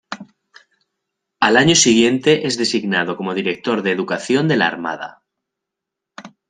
Al año siguiente es designado como director de Educación de la Armada.